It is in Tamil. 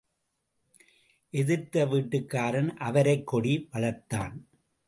எதிர்த்த வீட்டுக்காரன் அவரைக் கொடி வளர்த்தான்.